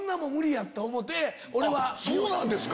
そうなんですか！